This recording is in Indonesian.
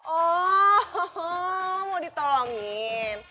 oh mau ditolongin